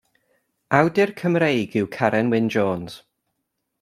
Awdur Cymreig yw Caren Wyn Jones.